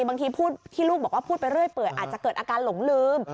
บางทีพูดที่ลูกบอกว่าพูดไปเรื่อยเปื่อยอาจจะเกิดอาการหลงลืม